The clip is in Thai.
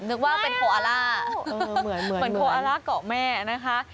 นึกว่าเป็นโคอาล่าเหมือนโคอาล่าเกาะแม่นะคะ